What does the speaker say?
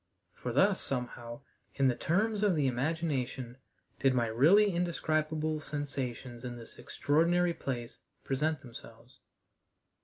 For thus, somehow, in the terms of the imagination, did my really indescribable sensations in this extraordinary place present themselves.